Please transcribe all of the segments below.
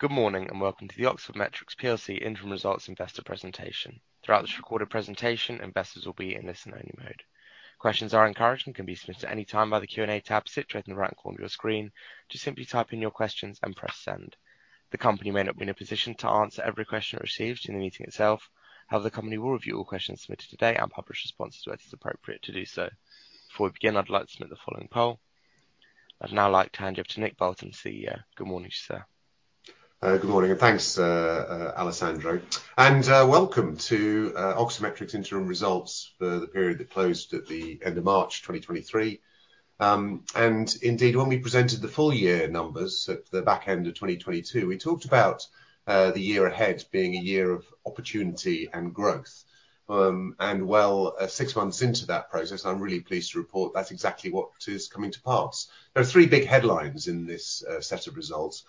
Good morning, and welcome to the Oxford Metrics plc interim results investor presentation. Throughout this recorded presentation, investors will be in listen only mode. Questions are encouraged and can be submitted at any time via the Q&A tab situated in the right corner of your screen. Just simply type in your questions and press send. The company may not be in a position to answer every question it receives during the meeting itself. However, the company will review all questions submitted today and publish responses where it is appropriate to do so. Before we begin, I'd like to submit the following poll. I'd now like to hand you over to Nick Bolton, CEO. Good morning to you, sir. Good morning, thanks, Alessandro, and welcome to Oxford Metrics interim results for the period that closed at the end of March 2023. Indeed, when we presented the full year numbers at the back end of 2022, we talked about the year ahead being a year of opportunity and growth. Well, six months into that process, I'm really pleased to report that's exactly what is coming to pass. There are three big headlines in this set of results.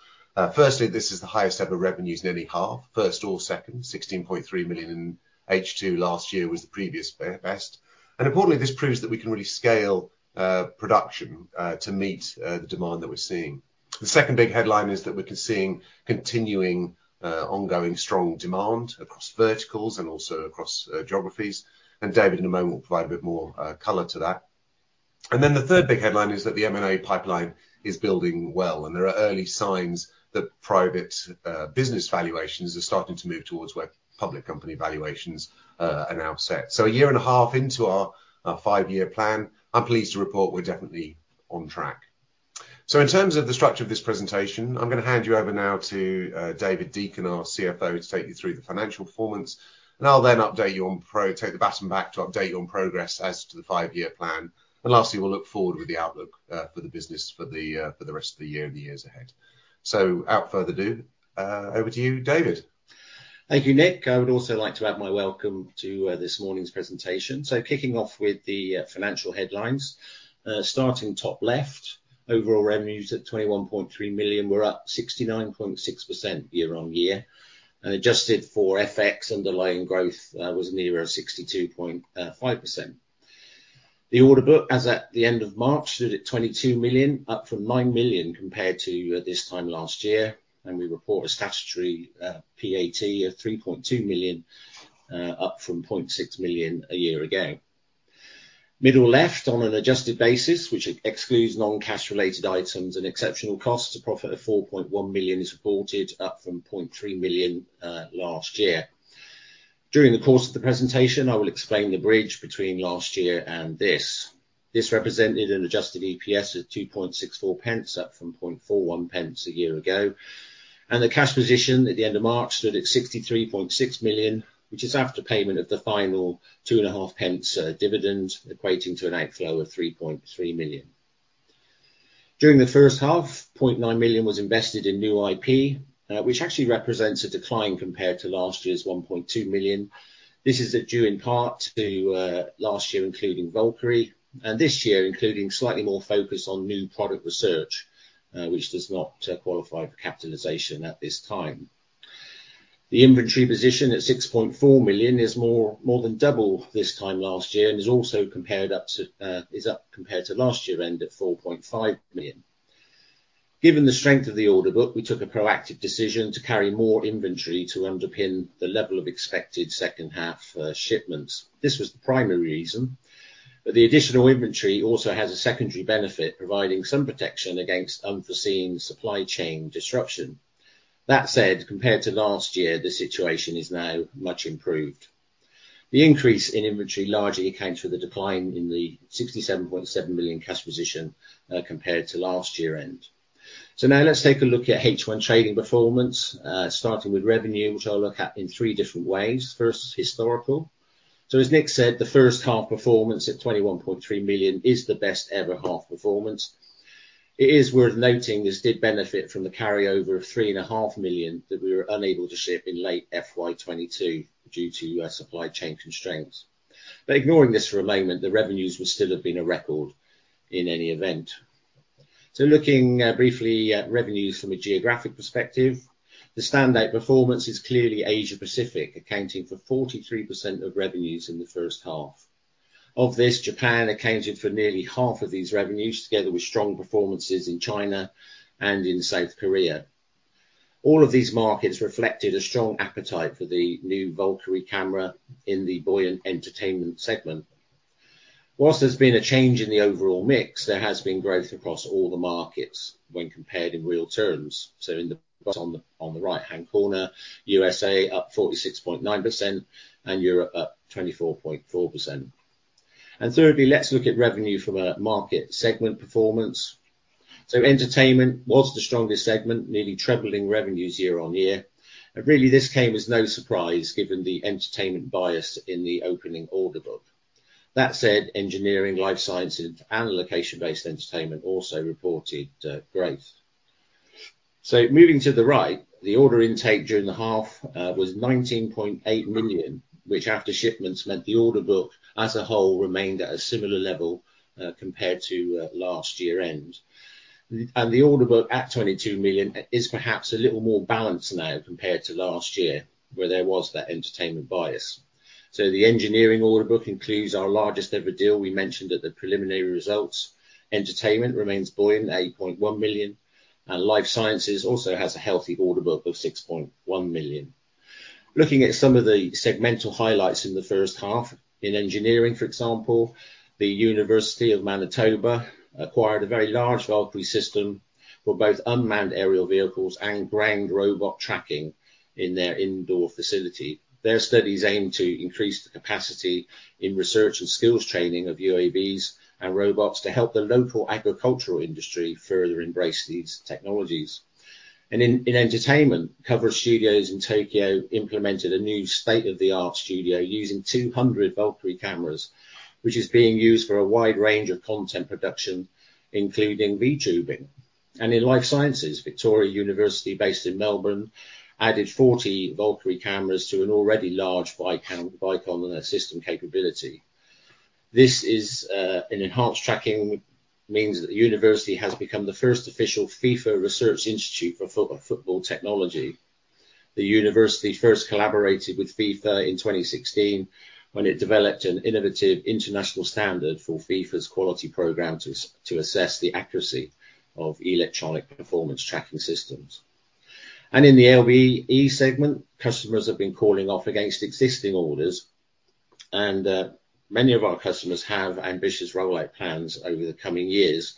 Firstly, this is the highest ever revenues in any half, first or second, 16.3 million in H2 last year was the previous best. Importantly, this proves that we can really scale production to meet the demand that we're seeing. The second big headline is that we're seeing continuing, ongoing strong demand across verticals and also across geographies. David, in a moment, will provide a bit more color to that. The third big headline is that the M&A pipeline is building well, and there are early signs that private business valuations are starting to move towards where public company valuations are now set. A year and a half into our five-year plan, I'm pleased to report we're definitely on track. In terms of the structure of this presentation, I'm going to hand you over now to David Deacon, our CFO, to take you through the financial performance. I'll then take the baton back to update you on progress as to the five-year plan. Lastly, we'll look forward with the outlook for the business for the rest of the year and the years ahead. Without further ado, over to you, David. Thank you, Nick. I would also like to add my welcome to this morning's presentation. Kicking off with the financial headlines. Starting top left, overall revenues at 21.3 million were up 69.6% year-on-year. Adjusted for FX, underlying growth was in the region of 62.5%. The order book as at the end of March stood at 22 million, up from 9 million compared to this time last year. We report a statutory PAT of 3.2 million, up from 0.6 million a year ago. Middle left, on an adjusted basis, which excludes non-cash related items and exceptional costs, a profit of 4.1 million is reported, up from 0.3 million last year. During the course of the presentation, I will explain the bridge between last year and this. This represented an adjusted EPS of 0.0264, up from 0.0041 a year ago. The cash position at the end of March stood at 63.6 million, which is after payment of the final two and a half pence dividend, equating to an outflow of 3.3 million. During the first half, 0.9 million was invested in new IP, which actually represents a decline compared to last year's 1.2 million. This is due in part to last year including Valkyrie, and this year including slightly more focus on new product research, which does not qualify for capitalization at this time. The inventory position at 6.4 million is more than double this time last year and is up compared to last year, end of 4.5 million. Given the strength of the order book, we took a proactive decision to carry more inventory to underpin the level of expected second half shipments. This was the primary reason, but the additional inventory also has a secondary benefit, providing some protection against unforeseen supply chain disruption. That said, compared to last year, the situation is now much improved. The increase in inventory largely accounts for the decline in the 67.7 million cash position compared to last year-end. Now let's take a look at H1 trading performance, starting with revenue, which I'll look at in three different ways. First, historical. As Nick said, the first half performance at 21.3 million is the best ever half performance. It is worth noting this did benefit from the carryover of three and a half million that we were unable to ship in late FY 2022 due to supply chain constraints. Ignoring this for a moment, the revenues would still have been a record in any event. Looking briefly at revenues from a geographic perspective, the standout performance is clearly Asia-Pacific, accounting for 43% of revenues in the first half. Of this, Japan accounted for nearly half of these revenues, together with strong performances in China and in South Korea. All of these markets reflected a strong appetite for the new Valkyrie camera in the buoyant entertainment segment. Whilst there's been a change in the overall mix, there has been growth across all the markets when compared in real terms. In the box on the right-hand corner, USA up 46.9% and Europe up 24.4%. Thirdly, let's look at revenue from a market segment performance. Entertainment was the strongest segment, nearly trebling revenues year over year. Really this came as no surprise given the entertainment bias in the opening order book. That said, engineering, life sciences, and LBE also reported growth. Moving to the right, the order intake during the half was 19.8 million, which after shipments meant the order book as a whole remained at a similar level compared to last year-end. The order book at 22 million is perhaps a little more balanced now compared to last year, where there was that entertainment bias. The engineering order book includes our largest ever deal we mentioned at the preliminary results. Entertainment remains buoyant, 8.1 million, and life sciences also has a healthy order book of 6.1 million. Looking at some of the segmental highlights in the first half, in engineering, for example, the University of Manitoba acquired a very large Valkyrie system for both unmanned aerial vehicles and ground robot tracking in their indoor facility. Their studies aim to increase the capacity in research and skills training of UAVs and robots to help the local agricultural industry further embrace these technologies. In entertainment, COVER Corp in Tokyo implemented a new state-of-the-art studio using 200 Valkyrie cameras, which is being used for a wide range of content production, including VTubing. In life sciences, Victoria University, based in Melbourne, added 40 Valkyrie cameras to an already large Vicon and a system capability. This is an enhanced tracking, which means that the university has become the first official FIFA Research Institute for football technology. The university first collaborated with FIFA in 2016 when it developed an innovative international standard for FIFA's quality program to assess the accuracy of electronic performance tracking systems. In the LBE segment, customers have been calling off against existing orders, and many of our customers have ambitious rollout plans over the coming years.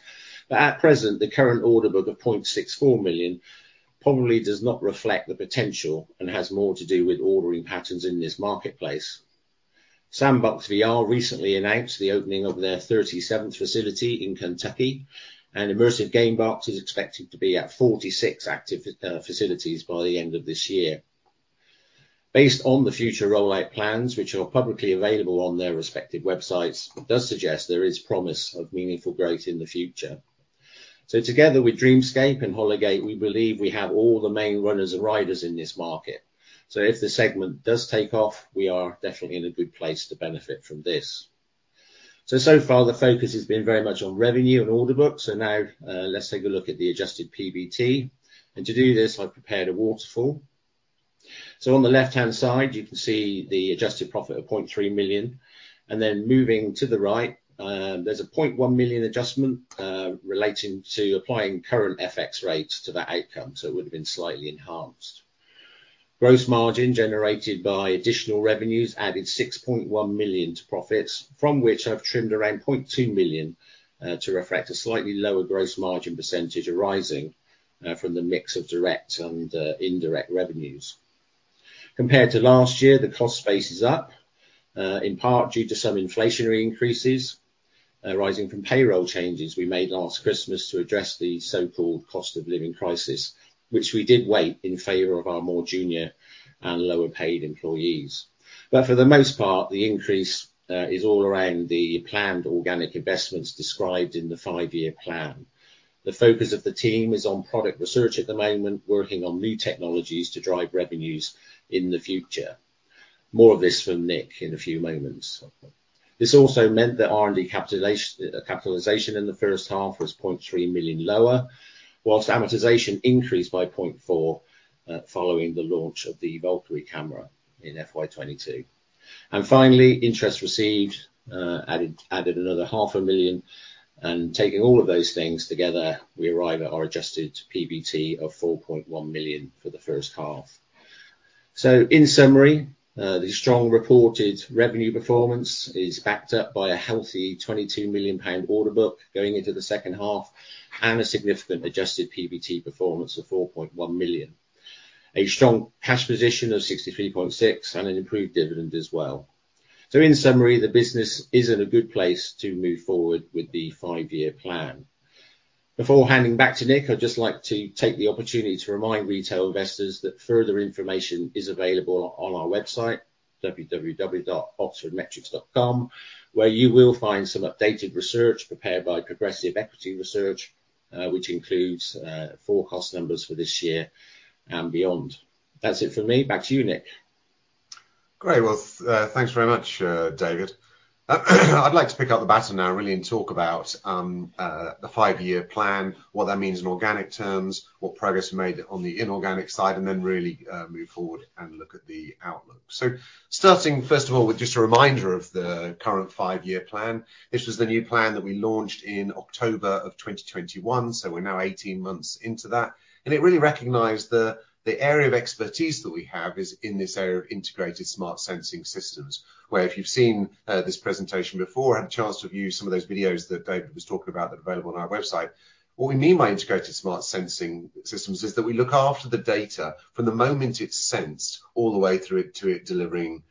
At present, the current order book of 0.64 million probably does not reflect the potential and has more to do with ordering patterns in this marketplace. Sandbox VR recently announced the opening of their 37th facility in Kentucky, and Immersive Gamebox is expected to be at 46 active facilities by the end of this year. Based on the future rollout plans, which are publicly available on their respective websites, it does suggest there is promise of meaningful growth in the future. Together with Dreamscape and HOLOGATE, we believe we have all the main runners and riders in this market, if the segment does take off, we are definitely in a good place to benefit from this. Far the focus has been very much on revenue and order book, now let's take a look at the adjusted PBT. To do this, I've prepared a waterfall. On the left-hand side, you can see the adjusted profit of 0.3 million, then moving to the right, there's a 0.1 million adjustment relating to applying current FX rates to that outcome, so it would have been slightly enhanced. Gross margin generated by additional revenues added 6.1 million to profits, from which I've trimmed around 0.2 million to reflect a slightly lower gross margin percentage arising from the mix of direct and indirect revenues. Compared to last year, the cost base is up, in part due to some inflationary increases arising from payroll changes we made last Christmas to address the so-called cost of living crisis, which we did weight in favor of our more junior and lower-paid employees. For the most part, the increase is all around the planned organic investments described in the five-year plan. The focus of the team is on product research at the moment, working on new technologies to drive revenues in the future. More of this from Nick in a few moments. This also meant that R&D capitalization in the first half was 0.3 million lower, whilst amortization increased by 0.4 million following the launch of the Valkyrie camera in FY 2022. Finally, interest received added another half a million, taking all of those things together, we arrive at our adjusted PBT of 4.1 million for the first half. In summary, the strong reported revenue performance is backed up by a healthy 22 million pound order book going into the second half and a significant adjusted PBT performance of 4.1 million. A strong cash position of 63.6 and an improved dividend as well. In summary, the business is in a good place to move forward with the five-year plan. Before handing back to Nick, I'd just like to take the opportunity to remind retail investors that further information is available on our website, www.oxfordmetrics.com, where you will find some updated research prepared by Progressive Equity Research, which includes forecast numbers for this year and beyond. That's it from me. Back to you, Nick. Great. Well, thanks very much, David. I'd like to pick up the baton now, really, and talk about the five-year plan, what that means in organic terms, what progress we made on the inorganic side, then really move forward and look at the outlook. Starting, first of all, with just a reminder of the current five-year plan. This was the new plan that we launched in October of 2021, so we're now 18 months into that. It really recognized the area of expertise that we have is in this area of integrated smart sensing systems, where if you've seen this presentation before or had a chance to view some of those videos that David was talking about that are available on our website, what we mean by integrated smart sensing systems is that we look after the data from the moment it's sensed all the way through to it delivering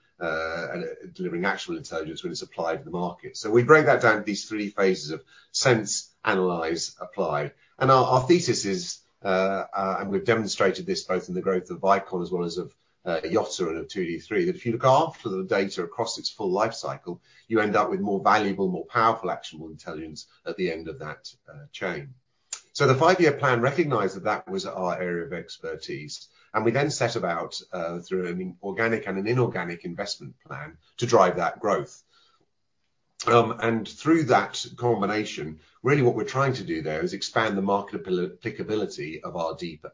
actionable intelligence when it's applied to the market. We break that down to these 3 phases of sense, analyze, apply. Our thesis is, and we've demonstrated this both in the growth of Vicon as well as of Yotta and of 2d3, that if you look after the data across its full life cycle, you end up with more valuable, more powerful, actionable intelligence at the end of that chain. The five-year plan recognized that that was our area of expertise, and we then set about, through an organic and an inorganic investment plan, to drive that growth. Through that combination, really what we're trying to do there is expand the market applicability of our deep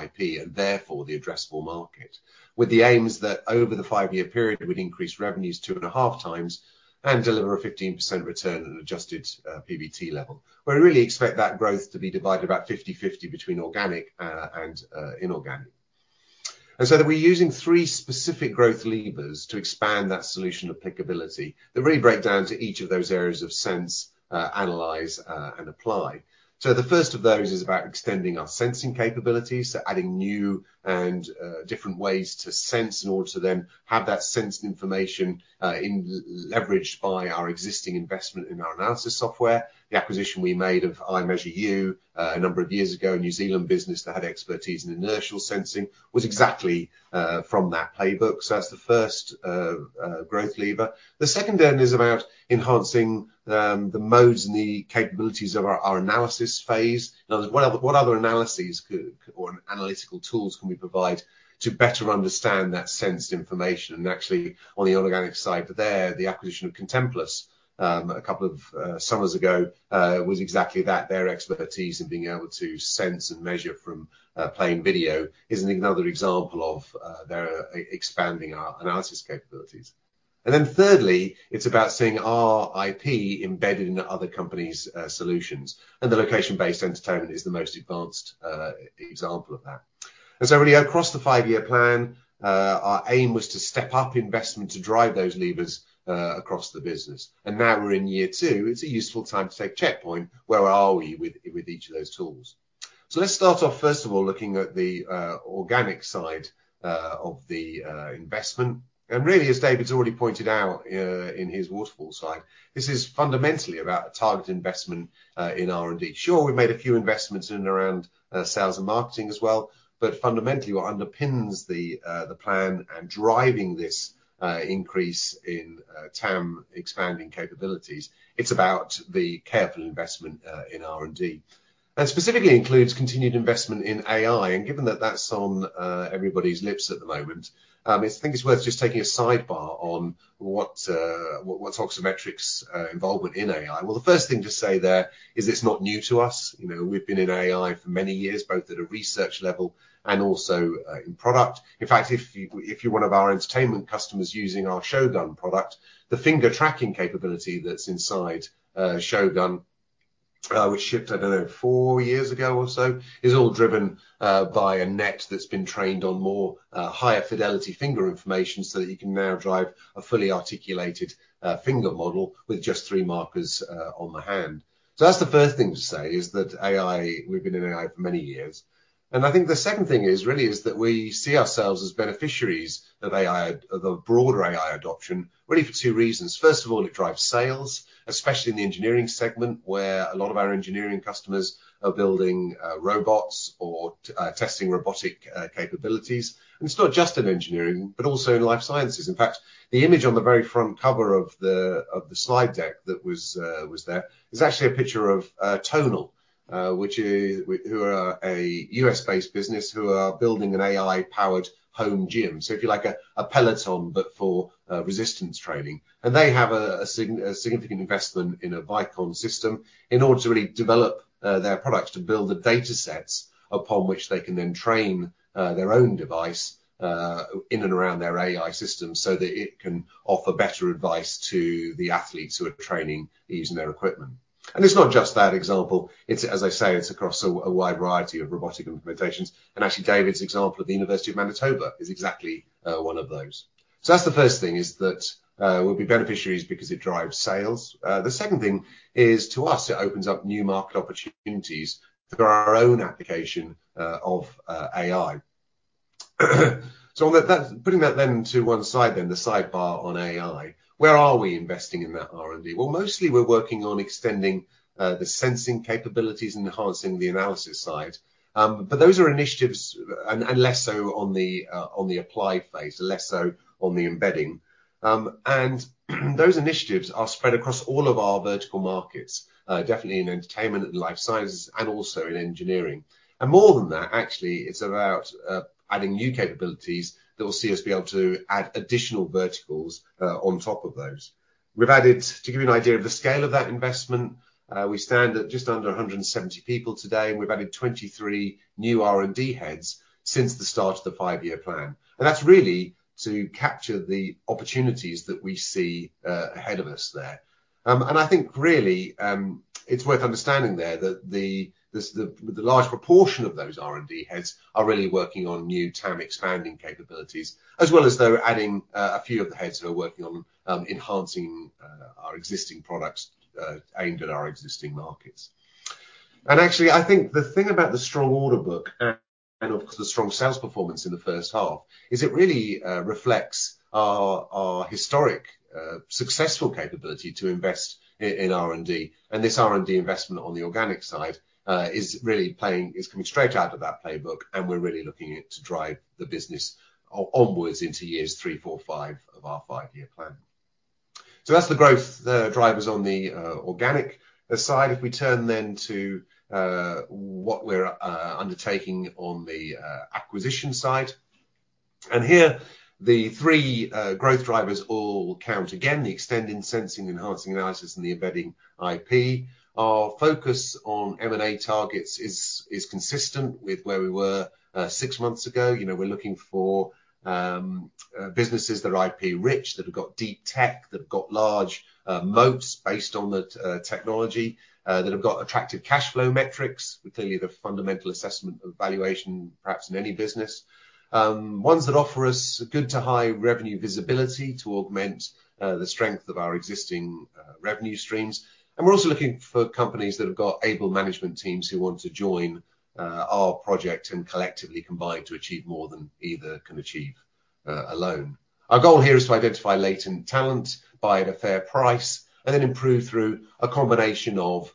IP and therefore the addressable market, with the aims that over the five-year period, we'd increase revenues two and a half times and deliver a 15% return at adjusted PBT level. We really expect that growth to be divided about 50/50 between organic and inorganic. We're using three specific growth levers to expand that solution applicability that really break down to each of those areas of sense, analyze, and apply. The first of those is about extending our sensing capabilities, adding new and different ways to sense in order to then have that sensed information leveraged by our existing investment in our analysis software. The acquisition we made of IMeasureU a number of years ago, a New Zealand business that had expertise in inertial sensing, was exactly from that playbook. That's the first growth lever. The second is about enhancing the modes and the capabilities of our analysis phase. Now, what other analyses or analytical tools can we provide to better understand that sensed information? Actually, on the inorganic side there, the acquisition of Contemplas a couple of summers ago was exactly that. Their expertise in being able to sense and measure from plain video is another example of expanding our analysis capabilities. Thirdly, it's about seeing our IP embedded into other companies' solutions, and the location-based entertainment is the most advanced example of that. Really across the five-year plan, our aim was to step up investment to drive those levers across the business. Now we're in year two, it's a useful time to take checkpoint. Where are we with each of those tools? Let's start off, first of all, looking at the organic side of the investment. Really, as David's already pointed out in his waterfall slide, this is fundamentally about a targeted investment in R&D. Sure, we've made a few investments in and around sales and marketing as well, but fundamentally what underpins the plan and driving this increase in TAM expanding capabilities, it's about the careful investment in R&D. Specifically includes continued investment in AI, and given that that's on everybody's lips at the moment, I think it's worth just taking a sidebar on what's Oxford Metrics involvement in AI. Well, the first thing to say there is it's not new to us. We've been in AI for many years, both at a research level and also in product. In fact, if you're one of our entertainment customers using our Shōgun product, the finger tracking capability that's inside Shōgun, which shipped, I don't know, four years ago or so, is all driven by a net that's been trained on more higher fidelity finger information so that you can now drive a fully articulated finger model with just three markers on the hand. That's the first thing to say is that AI, we've been in AI for many years. I think the second thing is really is that we see ourselves as beneficiaries of AI, of a broader AI adoption, really for two reasons. First of all, it drives sales, especially in the engineering segment, where a lot of our engineering customers are building robots or testing robotic capabilities. It's not just in engineering, but also in life sciences. In fact, the image on the very front cover of the slide deck that was there is actually a picture of Tonal, who are a US-based business who are building an AI-powered home gym. If you like, a Peloton but for resistance training. They have a significant investment in a Vicon system in order to really develop their products, to build the datasets upon which they can then train their own device in and around their AI system so that it can offer better advice to the athletes who are training using their equipment. It's not just that example, as I say, it's across a wide variety of robotic implementations. Actually, David's example of the University of Manitoba is exactly one of those. That's the first thing is that we'll be beneficiaries because it drives sales. The second thing is to us, it opens up new market opportunities for our own application of AI. Putting that then to one side then, the sidebar on AI, where are we investing in that R&D? Well, mostly we're working on extending the sensing capabilities and enhancing the analysis side. Those are initiatives, and less so on the apply phase, less so on the embedding. Those initiatives are spread across all of our vertical markets, definitely in entertainment and life sciences, and also in engineering. More than that, actually, it's about adding new capabilities that will see us be able to add additional verticals on top of those. To give you an idea of the scale of that investment, we stand at just under 170 people today, and we've added 23 new R&D heads since the start of the five-year plan. That's really to capture the opportunities that we see ahead of us there. I think really, it's worth understanding there that the large proportion of those R&D heads are really working on new TAM expanding capabilities, as well as though adding a few of the heads who are working on enhancing our existing products aimed at our existing markets. Actually, I think the thing about the strong order book and of course the strong sales performance in the first half is it really reflects our historic successful capability to invest in R&D. This R&D investment on the organic side is really playing, is coming straight out of that playbook, and we're really looking at to drive the business onwards into years three, four, five of our five-year plan. That's the growth drivers on the organic side. If we turn then to what we're undertaking on the acquisition side. Here, the three growth drivers all count again, the extending sensing, enhancing analysis, and the embedding IP. Our focus on M&A targets is consistent with where we were six months ago. We're looking for businesses that are IP rich, that have got deep tech, that have got large moats based on the technology, that have got attractive cash flow metrics, clearly the fundamental assessment of valuation, perhaps in any business. Ones that offer us good to high revenue visibility to augment the strength of our existing revenue streams. We're also looking for companies that have got able management teams who want to join our project and collectively combine to achieve more than either can achieve alone. Our goal here is to identify latent talent, buy at a fair price, and then improve through a combination of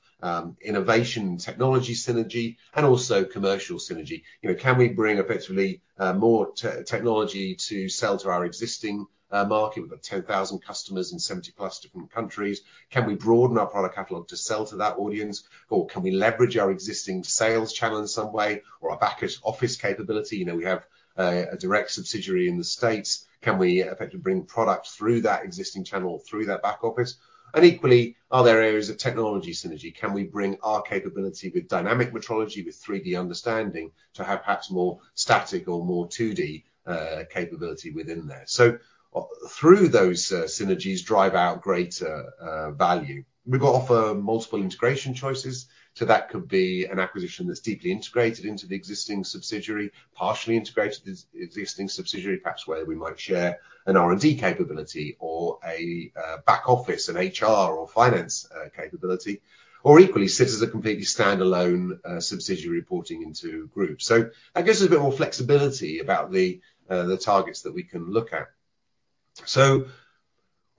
innovation, technology synergy, and also commercial synergy. Can we bring effectively more technology to sell to our existing market? We've got 10,000 customers in 70 plus different countries. Can we broaden our product catalog to sell to that audience, or can we leverage our existing sales channel in some way or our back office capability? We have a direct subsidiary in the U.S. Can we effectively bring products through that existing channel, through that back office? Equally, are there areas of technology synergy? Can we bring our capability with dynamic metrology, with 3D understanding to have perhaps more static or more 2D capability within there? Through those synergies, drive out greater value. We've got to offer multiple integration choices. That could be an acquisition that's deeply integrated into the existing subsidiary, partially integrated existing subsidiary, perhaps where we might share an R&D capability or a back office, an HR or finance capability, or equally sit as a completely standalone subsidiary reporting into group. That gives us a bit more flexibility about the targets that we can look at.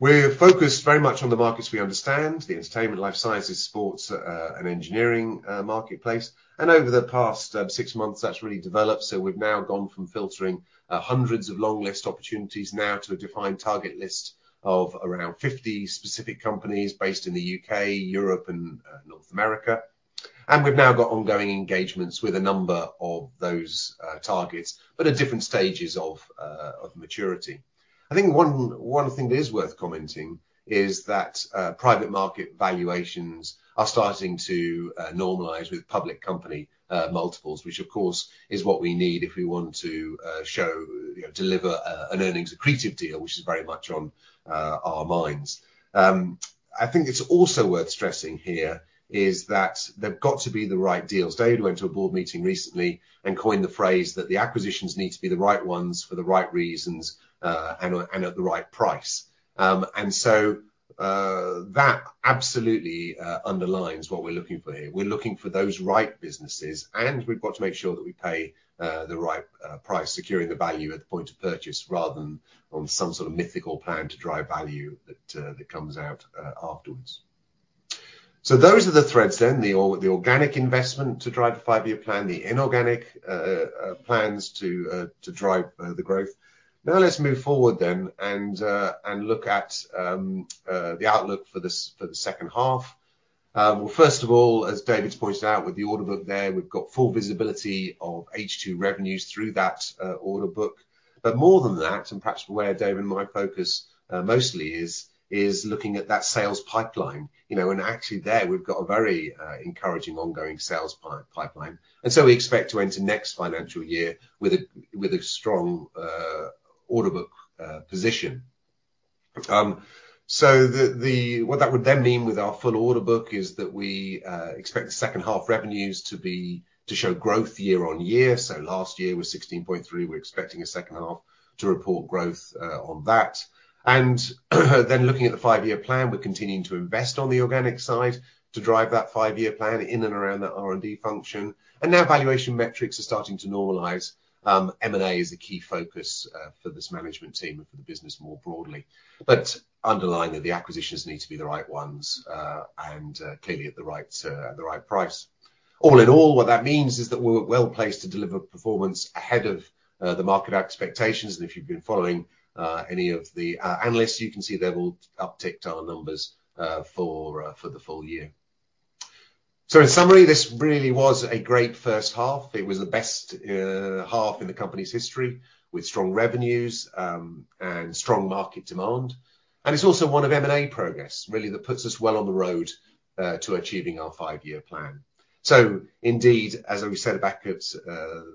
We're focused very much on the markets we understand, the entertainment, life sciences, sports, and engineering marketplace. Over the past six months, that's really developed. We've now gone from filtering hundreds of long list opportunities now to a defined target list of around 50 specific companies based in the U.K., Europe, and North America. We've now got ongoing engagements with a number of those targets, but at different stages of maturity. One thing that is worth commenting is that private market valuations are starting to normalize with public company multiples, which of course is what we need if we want to deliver an earnings accretive deal, which is very much on our minds. It's also worth stressing here is that they've got to be the right deals. David went to a board meeting recently and coined the phrase that the acquisitions need to be the right ones for the right reasons, and at the right price. That absolutely underlines what we're looking for here. We're looking for those right businesses, and we've got to make sure that we pay the right price, securing the value at the point of purchase rather than on some sort of mythical plan to drive value that comes out afterwards. Those are the threads then, the organic investment to drive the five-year plan, the inorganic plans to drive the growth. Let's move forward then and look at the outlook for the second half. First of all, as David's pointed out with the order book there, we've got full visibility of H2 revenues through that order book. More than that, and perhaps where David and my focus mostly is looking at that sales pipeline. Actually there, we've got a very encouraging ongoing sales pipeline. We expect to enter next financial year with a strong order book position. What that would then mean with our full order book is that we expect the second half revenues to show growth year-on-year. Last year was 16.3 million. We're expecting a second half to report growth on that. Looking at the five-year plan, we're continuing to invest on the organic side to drive that five-year plan in and around that R&D function. Now valuation metrics are starting to normalize. M&A is a key focus for this management team and for the business more broadly. Underlying that, the acquisitions need to be the right ones, and clearly at the right price. All in all, what that means is that we're well-placed to deliver performance ahead of the market expectations. If you've been following any of the analysts, you can see they've all upticked our numbers for the full year. In summary, this really was a great first half. It was the best half in the company's history, with strong revenues and strong market demand. It's also one of M&A progress, really that puts us well on the road to achieving our five-year plan. Indeed, as we said at the back of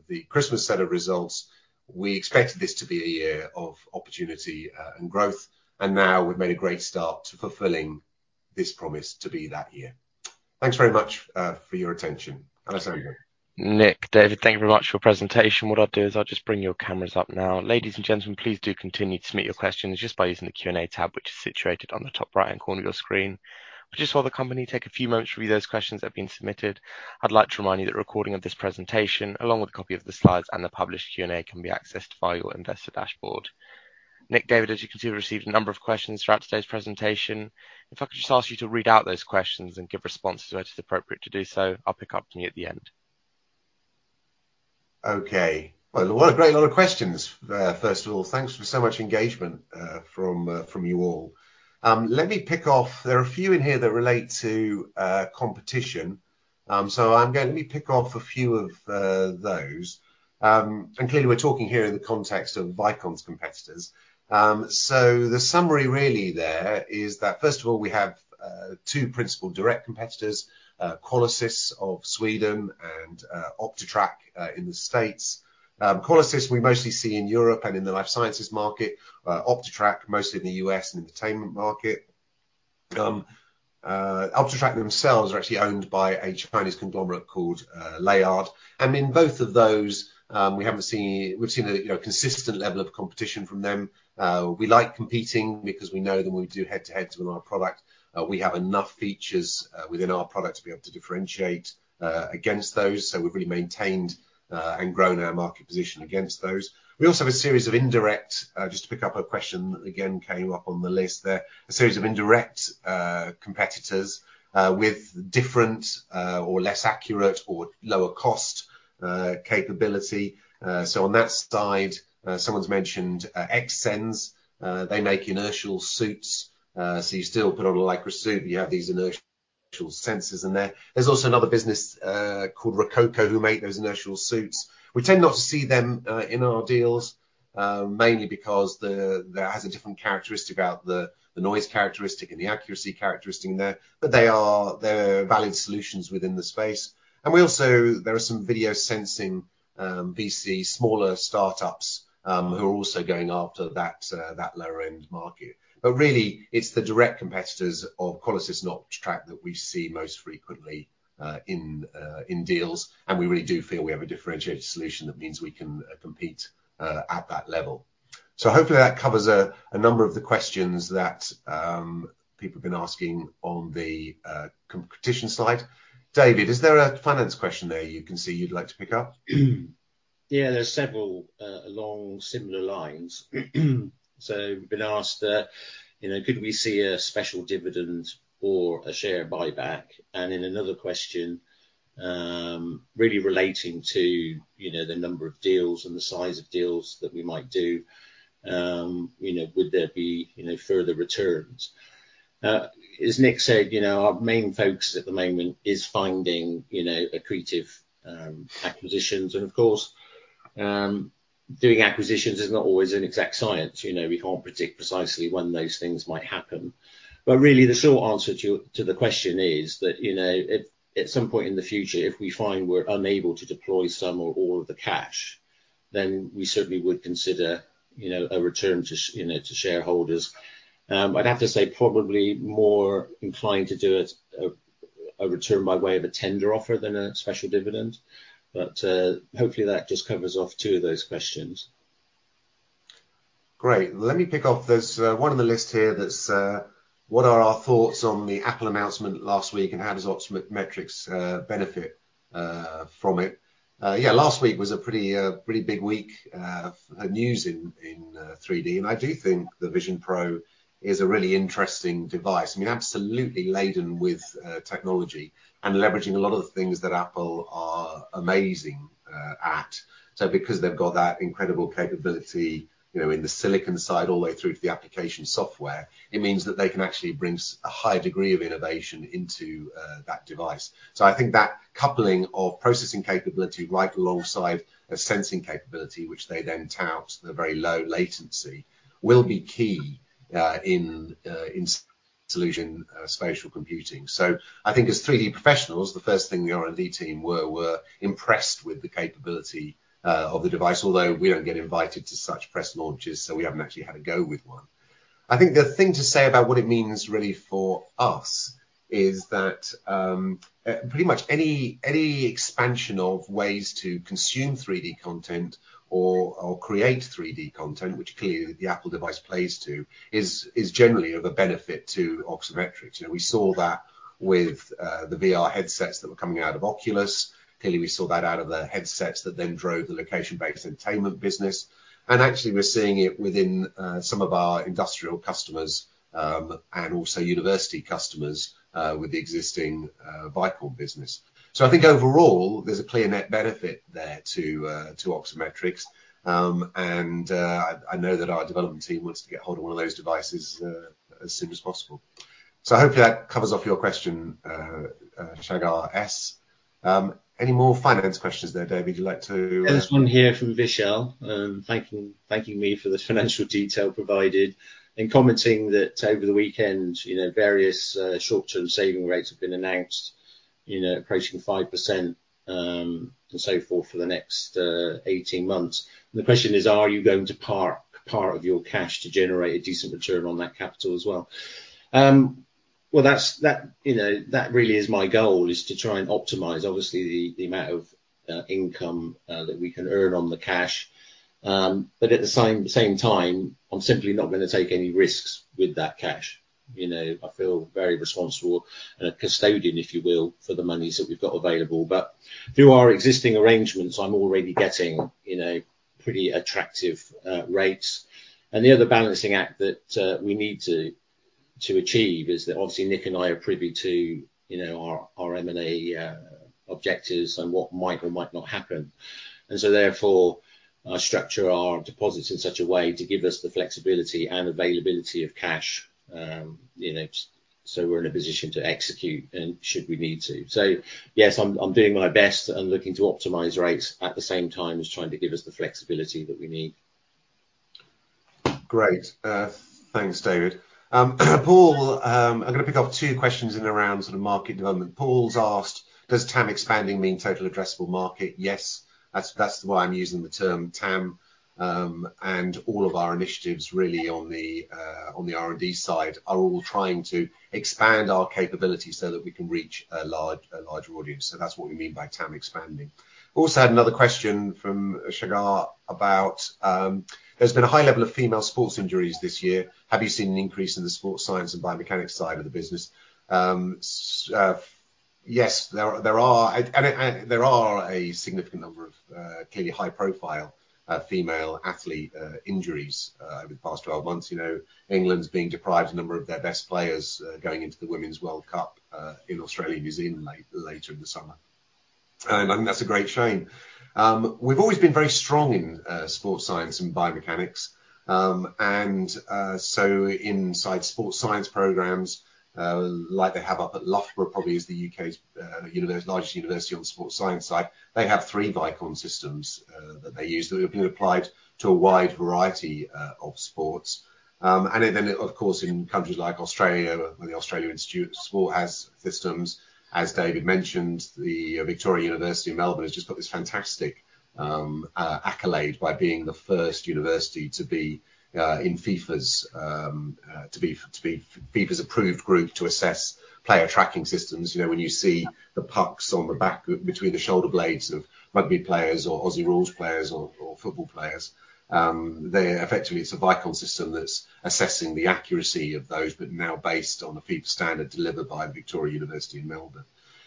the Christmas set of results, we expected this to be a year of opportunity and growth, and now we've made a great start to fulfilling this promise to be that year. Thanks very much for your attention. Alessandro, you go. Nick, David, thank you very much for your presentation. What I'll do is I'll just bring your cameras up now. Ladies and gentlemen, please do continue to submit your questions just by using the Q&A tab, which is situated on the top right-hand corner of your screen. Just while the company take a few moments to read those questions that have been submitted, I'd like to remind you that a recording of this presentation, along with a copy of the slides and the published Q&A, can be accessed via your investor dashboard. Nick, David, as you can see, we received a number of questions throughout today's presentation. If I could just ask you to read out those questions and give responses where it is appropriate to do so, I'll pick up from you at the end. Okay. Well, what a great lot of questions. First of all, thanks for so much engagement from you all. Let me pick off, there are a few in here that relate to competition. I'm going to pick off a few of those. Clearly we're talking here in the context of Vicon's competitors. The summary really there is that first of all, we have two principal direct competitors, Qualisys of Sweden and OptiTrack in the U.S. Qualisys we mostly see in Europe and in the life sciences market, OptiTrack mostly in the U.S. and entertainment market. OptiTrack themselves are actually owned by a Chinese conglomerate called Leyard. In both of those, we've seen a consistent level of competition from them. We like competing because we know when we do head-to-head with our product, we have enough features within our product to be able to differentiate against those. We've really maintained and grown our market position against those. We also have a series of indirect, just to pick up a question that again came up on the list there, a series of indirect competitors with different or less accurate or lower cost capability. On that side, someone's mentioned Xsens. They make inertial suits, so you still put on a Lycra suit, but you have these inertial sensors in there. There's also another business called Rokoko who make those inertial suits. We tend not to see them in our deals, mainly because that has a different characteristic about the noise characteristic and the accuracy characteristic in there. They are valid solutions within the space. Also there are some video sensing VC smaller startups who are also going after that lower end market. Really it's the direct competitors of Qualisys and OptiTrack that we see most frequently in deals, we really do feel we have a differentiated solution that means we can compete at that level. Hopefully that covers a number of the questions that people have been asking on the competition side. David, is there a finance question there you can see you'd like to pick up? Yeah, there are several along similar lines. We've been asked could we see a special dividend or a share buyback? In another question really relating to the number of deals and the size of deals that we might do, would there be further returns? As Nick said, our main focus at the moment is finding accretive acquisitions, of course, doing acquisitions is not always an exact science. We can't predict precisely when those things might happen. Really the short answer to the question is that at some point in the future, if we find we're unable to deploy some or all of the cash, we certainly would consider a return to shareholders. I'd have to say probably more inclined to do a return by way of a tender offer than a special dividend. Hopefully that just covers off two of those questions. Great. Let me pick off, there's one on the list here that's what are our thoughts on the Apple announcement last week, how does Oxford Metrics benefit from it? Yeah, last week was a pretty big week of news in 3D, I do think the Vision Pro is a really interesting device. Absolutely laden with technology and leveraging a lot of the things that Apple are amazing at. Because they've got that incredible capability in the silicon side all the way through to the application software, it means that they can actually bring a high degree of innovation into that device. I think that coupling of processing capability right alongside a sensing capability, which they then tout the very low latency, will be key in solution spatial computing. I think as 3D professionals, the first thing the R&D team were impressed with the capability of the device. Although we don't get invited to such press launches, so we haven't actually had a go with one. I think the thing to say about what it means really for us is that pretty much any expansion of ways to consume 3D content or create 3D content, which clearly the Apple device plays to, is generally of a benefit to Oxford Metrics. We saw that with the VR headsets that were coming out of Oculus. Clearly, we saw that out of the headsets that then drove the location-based entertainment business. Actually, we're seeing it within some of our industrial customers and also university customers with the existing Vicon business. I think overall, there's a clear net benefit there to Oxford Metrics, and I know that our development team wants to get hold of one of those devices as soon as possible. I hope that covers off your question, Krish Sankar. Any more finance questions there, David, you'd like to- There's one here from Vishal thanking me for the financial detail provided and commenting that over the weekend, various short-term saving rates have been announced approaching 5% and so forth for the next 18 months. The question is, are you going to park part of your cash to generate a decent return on that capital as well? That really is my goal, is to try and optimize obviously the amount of income that we can earn on the cash. At the same time, I'm simply not going to take any risks with that cash. I feel very responsible and a custodian, if you will, for the monies that we've got available. Through our existing arrangements, I'm already getting pretty attractive rates. The other balancing act that we need to achieve is that obviously Nick and I are privy to our M&A objectives and what might or might not happen. Therefore, I structure our deposits in such a way to give us the flexibility and availability of cash, so we're in a position to execute should we need to. Yes, I'm doing my best and looking to optimize rates at the same time as trying to give us the flexibility that we need. Great. Thanks, David. Paul, I'm going to pick up two questions in around sort of market development. Paul's asked, "Does TAM expanding mean total addressable market?" Yes. That's why I'm using the term TAM. All of our initiatives really on the R&D side are all trying to expand our capabilities so that we can reach a larger audience. That's what we mean by TAM expanding. Also had another question from Shagar about, "There's been a high level of female sports injuries this year. Have you seen an increase in the sports science and biomechanics side of the business?" Yes. There are a significant number of clearly high-profile female athlete injuries over the past 12 months. England's been deprived a number of their best players going into the Women's World Cup in Australia and New Zealand later in the summer. I think that's a great shame. We've always been very strong in sports science and biomechanics. Inside sports science programs like they have up at Loughborough, probably is the U.K.'s largest university on the sports science side. They have three Vicon systems that they use that have been applied to a wide variety of sports. Then of course in countries like Australia, where the Australian Institute of Sport has systems. As David mentioned, the Victoria University of Melbourne has just got this fantastic accolade by being the first university to be in FIFA's approved group to assess player tracking systems. When you see the pucks on the back between the shoulder blades of rugby players or Aussie Rules players or football players, effectively it's a Vicon system that's assessing the accuracy of those, but now based on the FIFA standard delivered by Victoria University in Melbourne.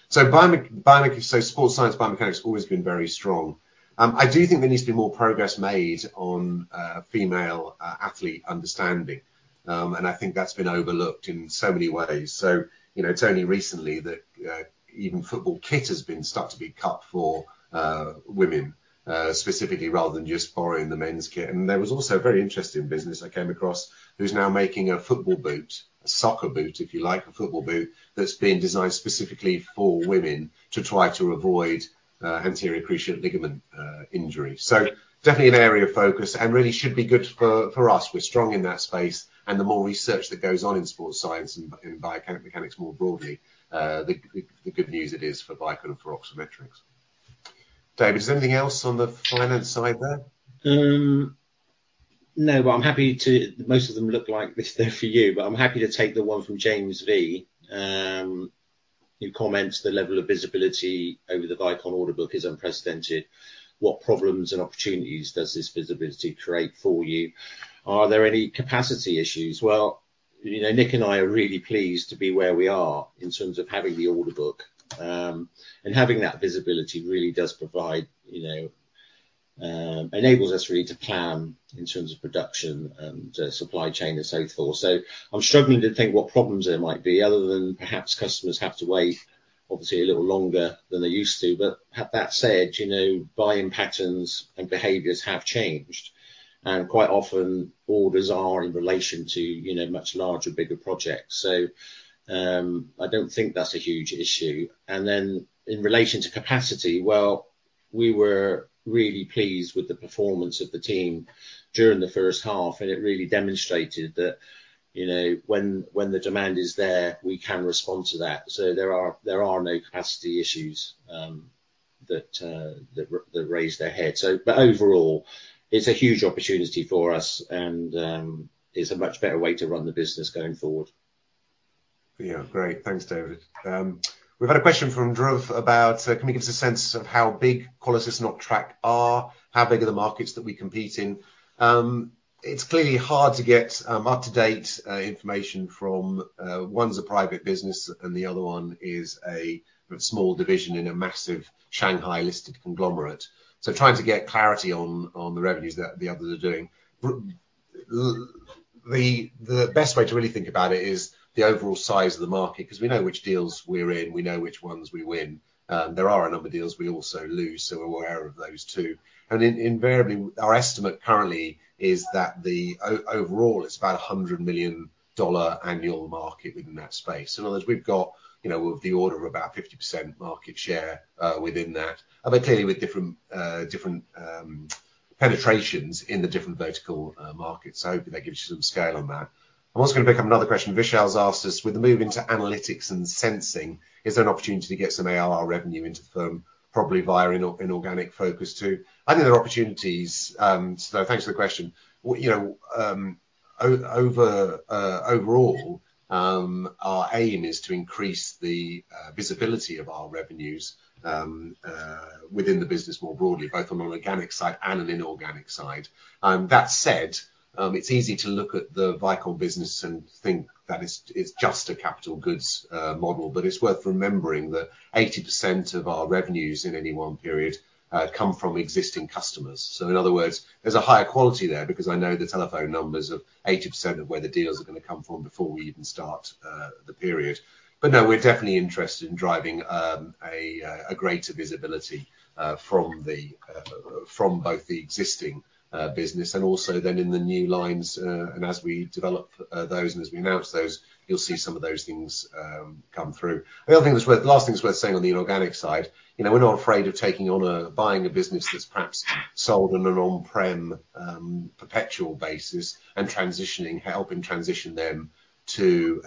Sports science biomechanics has always been very strong. I do think there needs to be more progress made on female athlete understanding. I think that's been overlooked in so many ways. It's only recently that even football kit has been starting to be cut for women specifically, rather than just borrowing the men's kit. There was also a very interesting business I came across who's now making a football boot, a soccer boot if you like, a football boot, that's been designed specifically for women to try to avoid anterior cruciate ligament injury. Definitely an area of focus and really should be good for us. We're strong in that space and the more research that goes on in sports science and in biomechanics more broadly, the good news it is for Vicon and for Oxford Metrics. David, is there anything else on the finance side there? No, but I'm happy to. Most of them look like they're for you, but I'm happy to take the one from James V, who comments, "The level of visibility over the Vicon order book is unprecedented. What problems and opportunities does this visibility create for you? Are there any capacity issues?" Nick and I are really pleased to be where we are in terms of having the order book. Having that visibility really enables us really to plan in terms of production and supply chain and so forth. I'm struggling to think what problems there might be other than perhaps customers have to wait obviously a little longer than they used to. That said, buying patterns and behaviors have changed, and quite often orders are in relation to much larger, bigger projects. I don't think that's a huge issue. In relation to capacity, well, we were really pleased with the performance of the team during the first half, and it really demonstrated that when the demand is there, we can respond to that. There are no capacity issues that raised their head. Overall, it's a huge opportunity for us and is a much better way to run the business going forward. Yeah. Great. Thanks, David. We've had a question from Dhruv about, "Can we give us a sense of how big Qualisys and OptiTrack are? How big are the markets that we compete in?" It's clearly hard to get up-to-date information from one's a private business and the other one is a small division in a massive Shanghai-listed conglomerate. Trying to get clarity on the revenues that the others are doing. The best way to really think about it is the overall size of the market, because we know which deals we're in, we know which ones we win. There are a number of deals we also lose, so we're aware of those, too. Invariably, our estimate currently is that the overall it's about $100 million annual market within that space. In other words, we've got the order of about 50% market share within that. Although clearly with different penetrations in the different vertical markets. Hopefully that gives you some scale on that. I'm also going to pick up another question Vishal's asked us: "With the move into analytics and sensing, is there an opportunity to get some ARR revenue into the firm, probably via an inorganic focus too?" I think there are opportunities. Thanks for the question. Overall, our aim is to increase the visibility of our revenues within the business more broadly, both on an organic side and an inorganic side. That said, it's easy to look at the Vicon business and think that it's just a capital goods model, but it's worth remembering that 80% of our revenues in any one period come from existing customers. In other words, there's a higher quality there because I know the telephone numbers of 80% of where the deals are going to come from before we even start the period. No, we're definitely interested in driving a greater visibility from both the existing business and also then in the new lines. As we develop those and as we announce those, you'll see some of those things come through. The last thing that's worth saying on the inorganic side, we're not afraid of buying a business that's perhaps sold on an on-prem perpetual basis and helping transition them to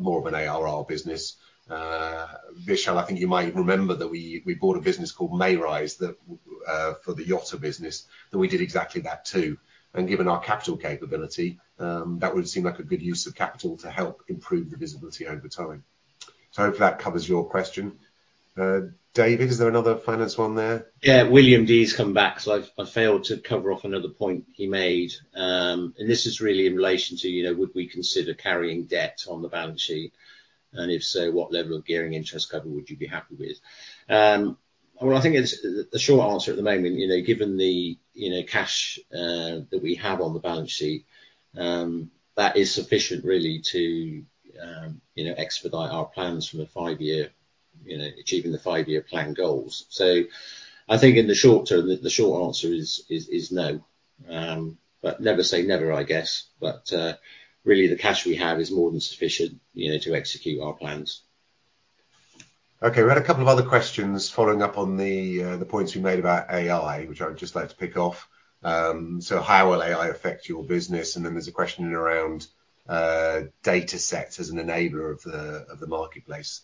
more of an ARR business. Vishal, I think you might remember that we bought a business called Mayrise for the Yotta business, and we did exactly that too. Given our capital capability, that would seem like a good use of capital to help improve the visibility over time. Hopefully that covers your question. David, is there another finance one there? William D.'s come back, I failed to cover off another point he made. This is really in relation to would we consider carrying debt on the balance sheet, and if so, what level of gearing interest cover would you be happy with? I think the short answer at the moment, given the cash that we have on the balance sheet, that is sufficient really to expedite our plans from achieving the five-year plan goals. I think in the short term, the short answer is no. Never say never, I guess. Really the cash we have is more than sufficient to execute our plans. We had a couple of other questions following up on the points we made about AI, which I would just like to pick off. How will AI affect your business? Then there's a question around data sets as an enabler of the marketplace.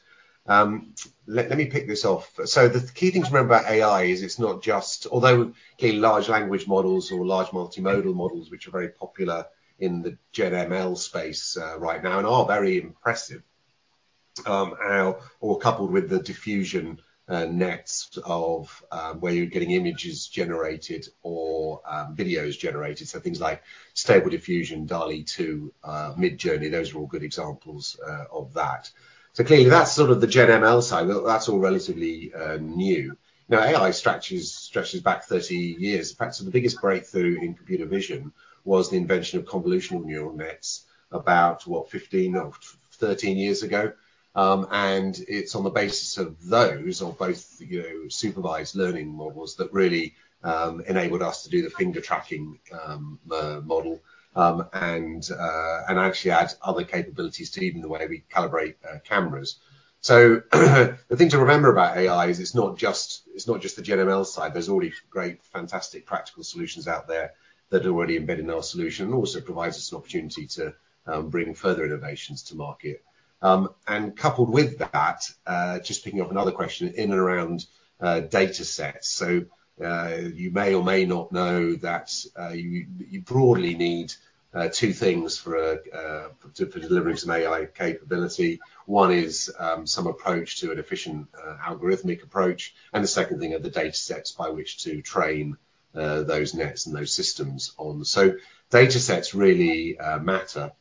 Let me pick this off. The key thing to remember about AI is it's not just although clearly large language models or large multimodal models, which are very popular in the GenAI space right now and are very impressive, or coupled with the Diffusion Models of where you're getting images generated or videos generated. Things like Stable Diffusion, DALL-E 2, Midjourney, those are all good examples of that. Clearly, that's sort of the GenAI side. That's all relatively new. AI stretches back 30 years. Perhaps the biggest breakthrough in computer vision was the invention of Convolutional Neural Networks about what, 15 or 13 years ago. It's on the basis of those, of both supervised learning models that really enabled us to do the finger tracking model, and actually adds other capabilities to even the way we calibrate cameras. The thing to remember about AI is it's not just the GenAI side. There's already great, fantastic practical solutions out there that are already embedded in our solution, and also provides us an opportunity to bring further innovations to market. Coupled with that, just picking up another question in and around data sets. You may or may not know that you broadly need two things for delivering some AI capability. One is some approach to an efficient algorithmic approach, the second thing are the data sets by which to train those nets and those systems on. Data sets really matter.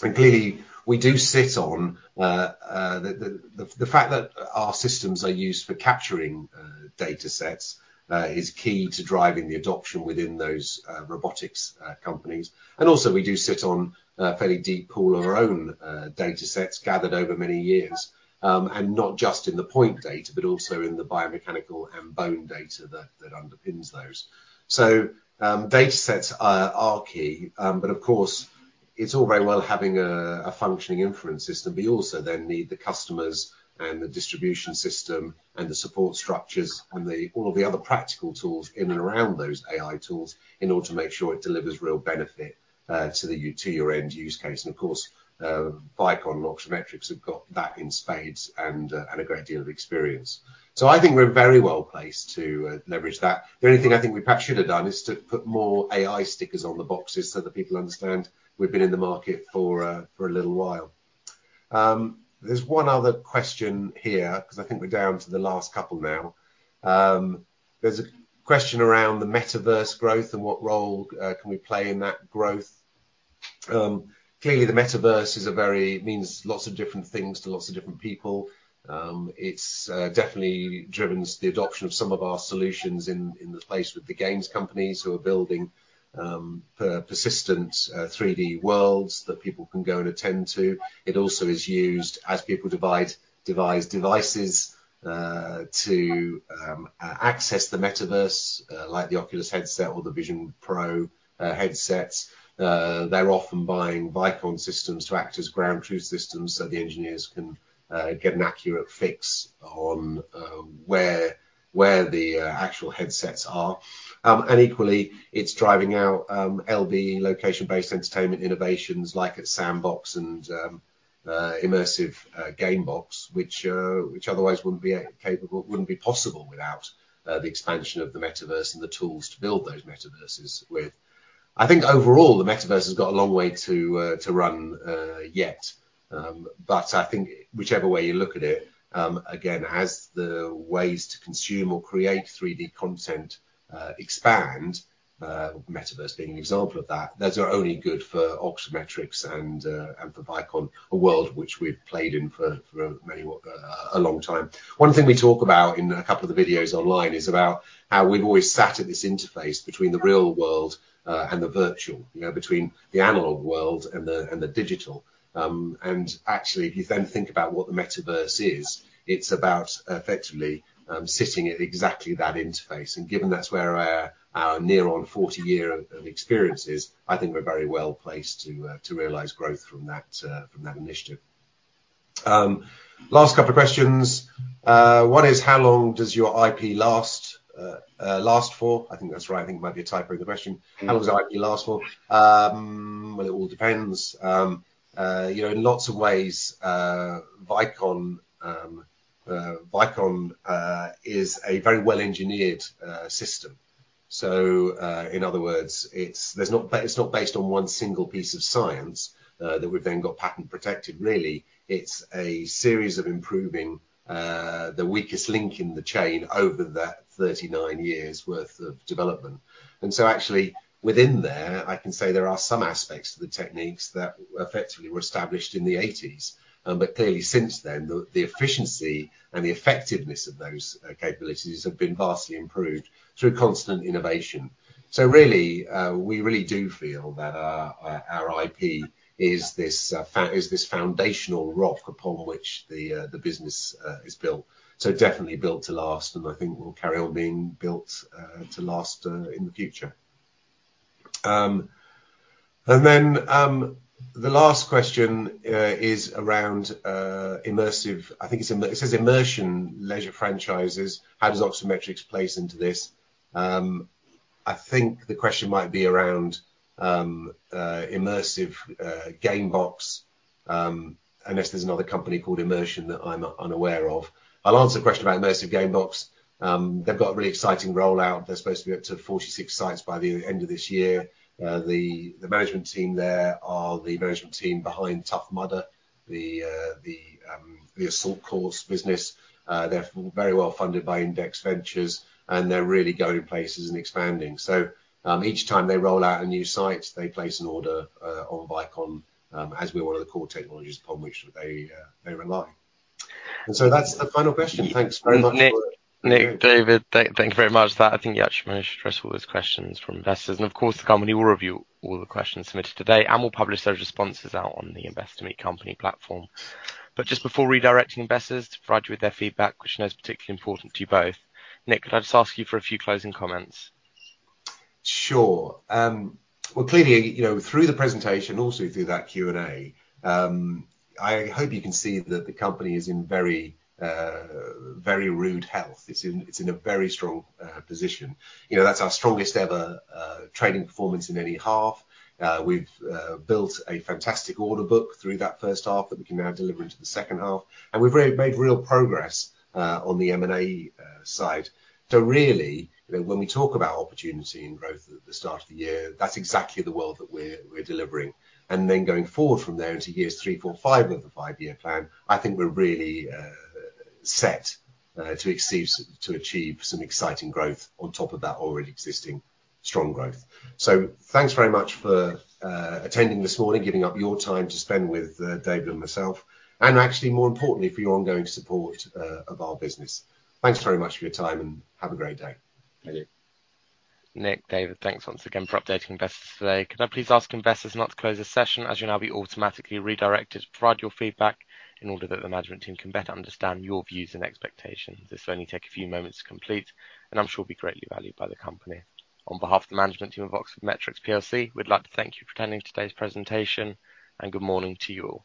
Clearly, we do sit on the fact that our systems are used for capturing data sets is key to driving the adoption within those robotics companies. Also we do sit on a fairly deep pool of our own data sets gathered over many years. Not just in the point data, but also in the biomechanical and bone data that underpins those. Data sets are key, but of course it's all very well having a functioning inference system. We also need the customers and the distribution system and the support structures and all of the other practical tools in and around those AI tools in order to make sure it delivers real benefit to your end use case. Of course, Vicon and Oxford Metrics have got that in spades and a great deal of experience. I think we're very well-placed to leverage that. The only thing I think we perhaps should have done is to put more AI stickers on the boxes so that people understand we've been in the market for a little while. There's one other question here, because I think we're down to the last couple now. There's a question around the metaverse growth and what role can we play in that growth. Clearly the metaverse means lots of different things to lots of different people. It's definitely driven the adoption of some of our solutions in the place with the games companies who are building persistent 3D worlds that people can go and attend to. It also is used as people devise devices to access the metaverse, like the Oculus headset or the Vision Pro headsets. They're often buying Vicon systems to act as ground truth systems so the engineers can get an accurate fix on where the actual headsets are. Equally, it's driving our LBE, location-based entertainment innovations like at Sandbox and Immersive Gamebox, which otherwise wouldn't be possible without the expansion of the metaverse and the tools to build those metaverses with. I think overall, the metaverse has got a long way to run yet. I think whichever way you look at it, again, as the ways to consume or create 3D content expand, metaverse being an example of that, those are only good for Ox metrics and for Vicon, a world which we've played in for a long time. One thing we talk about in a couple of the videos online is about how we've always sat at this interface between the real world and the virtual, between the analog world and the digital. Actually, if you think about what the metaverse is, it's about effectively sitting at exactly that interface. Given that's where our near on 40 year of experience is, I think we're very well-placed to realize growth from that initiative. Last couple of questions. One is how long does your IP last for? I think that's right. I think it might be a typo in the question. How long does your IP last for? Well, it all depends. In lots of ways, Vicon is a very well-engineered system. In other words, it's not based on one single piece of science that we've then got patent protected, really. It's a series of improving the weakest link in the chain over that 39 years worth of development. Actually within there, I can say there are some aspects to the techniques that effectively were established in the '80s. Clearly since then, the efficiency and the effectiveness of those capabilities have been vastly improved through constant innovation. Really, we really do feel that our IP is this foundational rock upon which the business is built. Definitely built to last, and I think will carry on being built to last in the future. The last question is around immersive. I think it says immersion leisure franchises. How does Oxford Metrics play into this? I think the question might be around Immersive Gamebox, unless there's another company called Immersion that I'm unaware of. I'll answer the question about Immersive Gamebox. They've got a really exciting rollout. They're supposed to be up to 46 sites by the end of this year. The management team there are the management team behind Tough Mudder, the assault course business. They're very well-funded by Index Ventures, and they're really going places and expanding. Each time they roll out a new site, they place an order on Vicon as we're one of the core technologies upon which they rely. That's the final question. Thanks very much for- Nick, David, thank you very much for that. I think you actually managed to address all those questions from investors. Of course, the company will review all the questions submitted today and will publish those responses out on the Investor Meet Company platform. Just before redirecting investors to provide you with their feedback, which I know is particularly important to you both, Nick, could I just ask you for a few closing comments? Sure. Clearly, through the presentation, also through that Q&A, I hope you can see that the company is in very rude health. It's in a very strong position. That's our strongest ever trading performance in any half. We've built a fantastic order book through that first half that we can now deliver into the second half, and we've made real progress on the M&A side. Really, when we talk about opportunity and growth at the start of the year, that's exactly the world that we're delivering. Going forward from there into years three, four, five of the five-year plan, I think we're really set to achieve some exciting growth on top of that already existing strong growth. Thanks very much for attending this morning, giving up your time to spend with David and myself, and actually, more importantly, for your ongoing support of our business. Thanks very much for your time, and have a great day. Thank you. Nick, David, thanks once again for updating investors today. Could I please ask investors now to close this session, as you'll now be automatically redirected to provide your feedback in order that the management team can better understand your views and expectations. This will only take a few moments to complete, and I'm sure will be greatly valued by the company. On behalf of the management team of Oxford Metrics plc, we'd like to thank you for attending today's presentation, and good morning to you all.